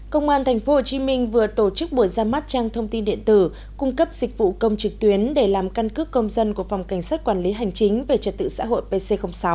công an thành phố hồ chí minh vừa tổ chức buổi ra mắt trang thông tin điện tử cung cấp dịch vụ công trực tuyến để làm căn cước công dân của phòng cảnh sát quản lý hành chính về trật tự xã hội pc sáu